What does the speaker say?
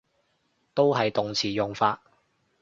都係動詞用法